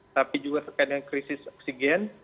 tapi juga terkait dengan krisis oksigen